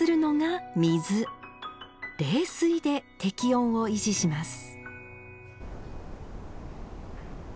冷水で適温を維持します